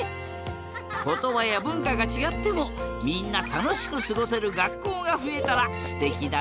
ことばやぶんかがちがってもみんなたのしくすごせるがっこうがふえたらすてきだな！